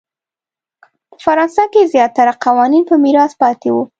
په فرانسه کې زیاتره قوانین په میراث پاتې وو.